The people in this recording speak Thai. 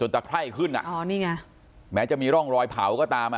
ตะไคร่ขึ้นแม้จะมีร่องรอยเผาก็ตาม